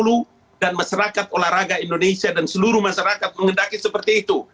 u dua puluh dan masyarakat olahraga indonesia dan seluruh masyarakat mengendaki seperti itu